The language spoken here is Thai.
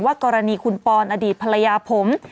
กรณีคุณปอนอดีตภรรยาผม